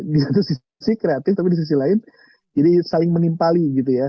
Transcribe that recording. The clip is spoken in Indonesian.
di satu sisi kreatif tapi di sisi lain jadi saling menimpali gitu ya